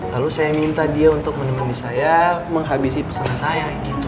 lalu saya minta dia untuk menemani saya menghabisi pesanan saya